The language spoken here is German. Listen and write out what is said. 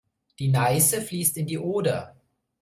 Die Neiße fließt in die Oder.